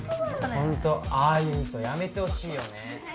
ホントああいうウソやめてほしいよね